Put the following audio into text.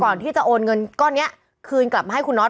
ก่อนที่จะโอนเงินก้อนนี้คืนกลับมาให้คุณน็อต